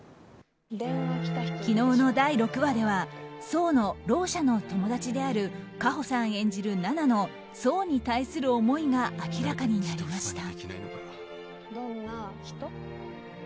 昨日の第６話では想のろう者の友達である夏帆さん演じる奈々の想に対する思いが明らかになりました。